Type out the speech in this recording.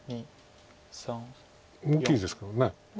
大きいですから。